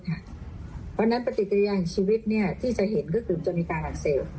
เพราะฉะนั้นปฏิกิริยาของชีวิตที่จะเห็นก็คือจะมีการอักเสบ